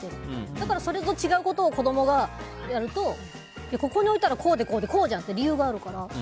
だからそれと違うことを子供がやるとここに置いたらこうで、こうで、こうじゃんって理由があるから。